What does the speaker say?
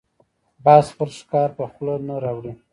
باز خپل ښکار په خوله نه راوړي